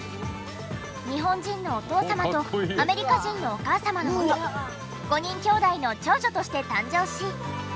日本人のお父様とアメリカ人のお母様のもと５人兄弟の長女として誕生し。